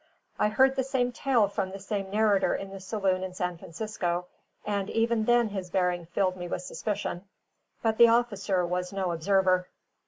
I heard the same tale from the same narrator in the saloon in San Francisco; and even then his bearing filled me with suspicion. But the officer was no observer.